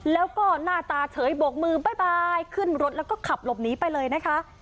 แล้วก็หน้าตาเฉยบกมือบ๊ายบายขึ้นรถแล้วก็ขับหลบหนีไปเลยนะคะ